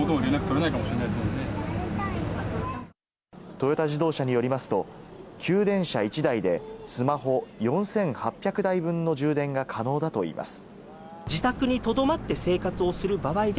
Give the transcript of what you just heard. トヨタ自動車によりますと、給電車１台でスマホ４８００台分の充電が可能だといいます。